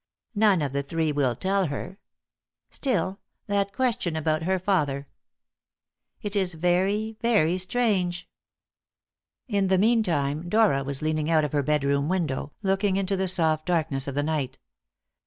None of the three will tell her. Still, that question about her father! It is very, very strange." In the meantime Dora was leaning out of her bedroom window, looking into the soft darkness of the night.